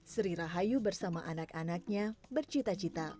sri rahayu bersama anak anaknya bercita cita